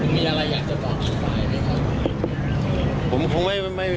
มีอะไรอยากจะบอกสบายไหมครับ